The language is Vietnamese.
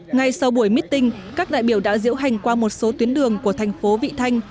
ngay sau buổi meeting các đại biểu đã diễu hành qua một số tuyến đường của thành phố vị thanh